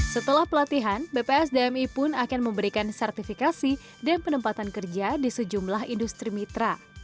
setelah pelatihan bpsdmi pun akan memberikan sertifikasi dan penempatan kerja di sejumlah industri mitra